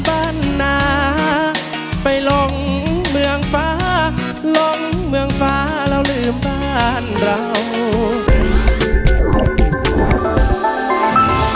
โปรดติดตามตอนต่อไป